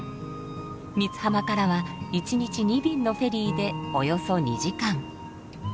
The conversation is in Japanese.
三津浜からは一日２便のフェリーでおよそ２時間。